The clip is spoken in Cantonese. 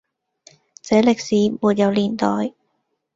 這歷史沒有年代，